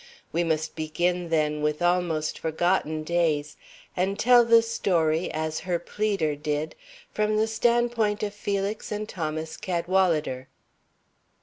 We must begin, then, with almost forgotten days, and tell the story, as her pleader did, from the standpoint of Felix and Thomas Cadwalader.